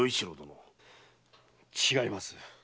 違います。